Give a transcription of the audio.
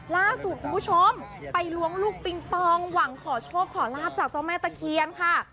ล่าสุดคุณผู้ชมไปล้วงลูกปิงปองหวังขอโชคขอลาบจากเจ้าแม่ตะเคียนค่ะ